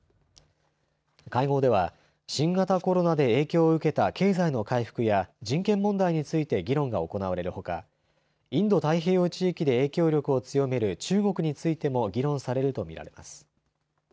会合では新型コロナで影響を受けた経済の回復や人権問題について議論が行われるほかインド太平洋地域で影響力を強める中国についても議論されると見られます。